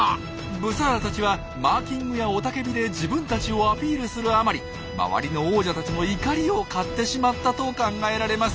ブサーラたちはマーキングや雄たけびで自分たちをアピールするあまり周りの王者たちの怒りを買ってしまったと考えられます。